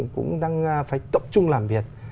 cũng đang phải tập trung làm việc